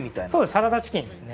サラダチキンですね。